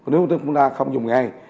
nếu chúng ta không dùng ngay